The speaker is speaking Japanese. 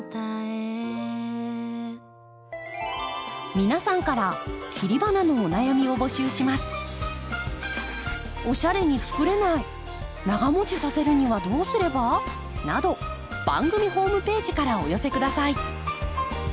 皆さんから切り花のお悩みを募集します。など番組ホームページからお寄せください。